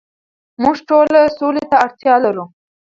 موږ ټول سولې ته اړتیا لرو.